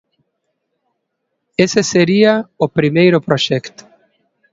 Ese sería o primeiro proxecto.